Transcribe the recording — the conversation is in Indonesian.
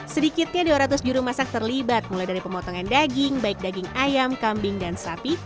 sedikitnya dua ratus juru masak terlibat mulai dari pemotongan daging baik daging ayam kambing dan sapi